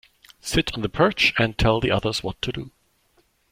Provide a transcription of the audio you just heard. Sit on the perch and tell the others what to do.